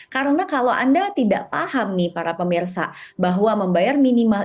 karena kalau anda tidak paham nih para pemirsa bahwa membayar minimal